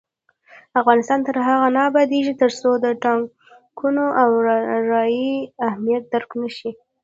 افغانستان تر هغو نه ابادیږي، ترڅو د ټاکنو او رایې اهمیت درک نشي.